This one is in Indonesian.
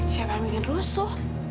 siapa yang bikin rusuh